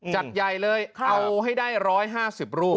จัดใยเลยเอาให้ได้๑๕๐ลูก